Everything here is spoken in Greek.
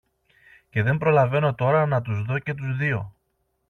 και δεν προλαβαίνω τώρα να τους δω και τους δύο